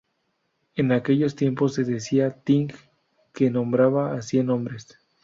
En aquellos tiempos se decía 'ting', que nombraba a cien hombres.